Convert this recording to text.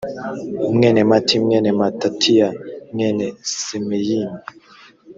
mwene mati mwene matatiya mwene semeyini